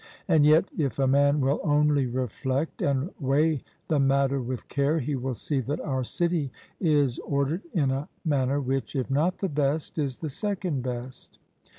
And yet, if a man will only reflect and weigh the matter with care, he will see that our city is ordered in a manner which, if not the best, is the second best.